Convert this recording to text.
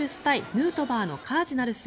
ヌートバーのカージナルス。